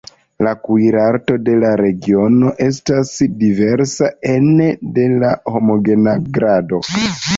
La kuirarto de la regiono estas diversa ene de homogena grado.